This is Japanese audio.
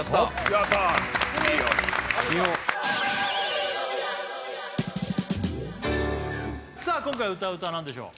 やったさあ今回歌う歌は何でしょう？